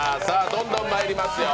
どんどんまいりますよ。